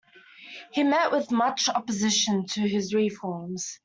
He met with much opposition to his reforms.